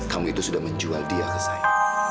kamu itu sudah menjual dia ke saya